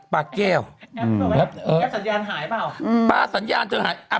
ป้านีด้วยค่ะ